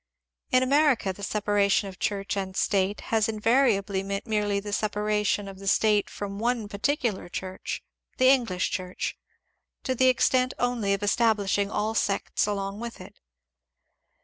In America the separation of Church and State has in variably meant merely the separation of the State from one particular Church, — the English Church, — to the extent only of establishing all sects along with it.